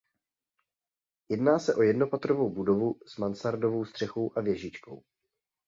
Jedná se o jednopatrovou budovu s mansardovou střechou a věžičkou.